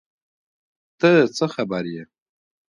ته څه خبر یې ؟